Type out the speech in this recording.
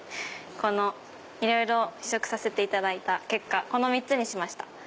いろいろ試食させていただいた結果この３つにしました。